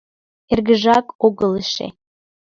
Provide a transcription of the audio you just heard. Эргыжак огыл эше?